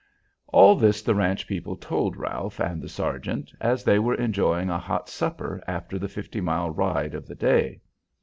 All this the ranch people told Ralph and the sergeant, as they were enjoying a hot supper after the fifty mile ride of the day.